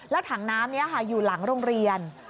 แล้วถังน้ำนี้ค่ะอยู่หลังโรงเรียน